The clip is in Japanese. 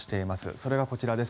それがこちらです。